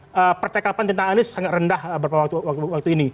karena percakapan tentang anies sangat rendah beberapa waktu ini